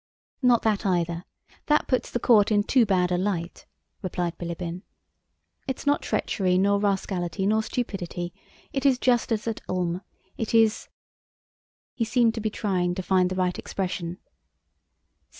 "Not that either. That puts the court in too bad a light," replied Bilíbin. "It's not treachery nor rascality nor stupidity: it is just as at Ulm... it is..."—he seemed to be trying to find the right expression.